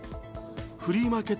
フリーマーケット